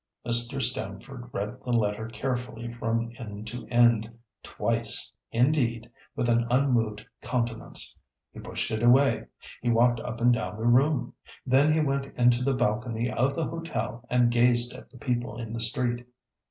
Mr. Stamford read the letter carefully from end to end, twice, indeed, with an unmoved countenance. He pushed it away; he walked up and down the room. Then he went into the balcony of the hotel and gazed at the people in the street.